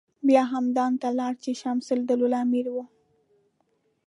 بیا همدان ته لاړ چې شمس الدوله امیر و.